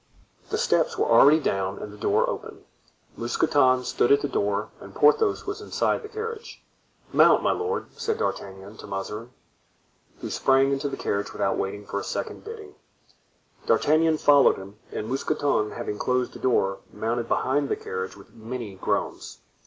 The steps were already down and the door open. Mousqueton stood at the door and Porthos was inside the carriage. "Mount, my lord," said D'Artagnan to Mazarin, who sprang into the carriage without waiting for a second bidding. D'Artagnan followed him, and Mousqueton, having closed the door, mounted behind the carriage with many groans.